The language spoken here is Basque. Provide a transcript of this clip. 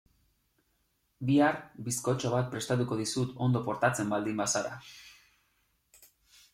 Bihar bizkotxo bat prestatuko dizut ondo portatzen baldin bazara.